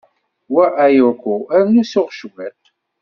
Wa ayako, rnu suɣ cwiṭ.